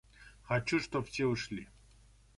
Хочу чтоб все ушли!